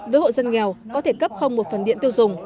với hộ dân nghèo có thể cấp không một phần điện tiêu dùng